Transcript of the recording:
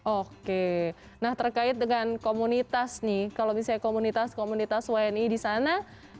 oke nah terkait dengan komunitas nih kalau misalnya komunitas komunitas wni di sana